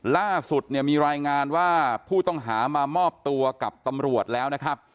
ล่าสุดมีรายงานว่าผู้ต้องหามามอบตัวกับตำรวจแล้ว